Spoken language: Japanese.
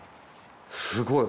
すごい！